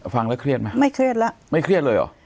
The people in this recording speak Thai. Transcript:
ฟังแล้วเครียดไหมไม่เครียดแล้วไม่เครียดเลยเหรอ